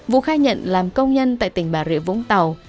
vũ khai nhận làm công nhân tại tỉnh bà rịa vũng tàu